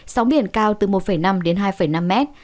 sóng biển cao từ một năm đến hai năm mét